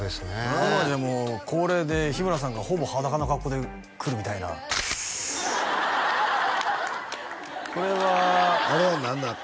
今じゃもう恒例で日村さんがほぼ裸な格好で来るみたいなこれはあれは何なの？